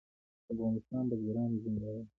د افغانستان بزګران زنده باد.